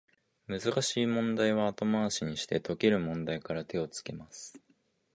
難しい問題は後回しにして、解ける問題から手をつけます